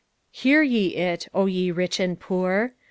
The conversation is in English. Hear ye It, 0 yo rich and poor.